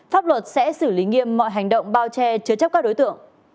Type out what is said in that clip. pháp luật sẽ xử lý nghiêm mọi hành động bao che chứa chấp các đối tượng